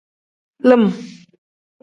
Lim.